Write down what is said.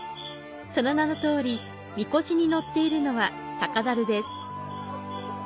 その名の通り、みこしに乗っているのは酒樽です。